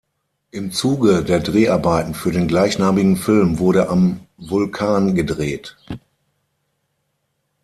Im Zuge der Dreharbeiten für den gleichnamigen Film wurde am Vulkan gedreht.